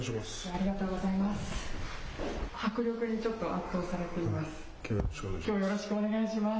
ありがとうございます。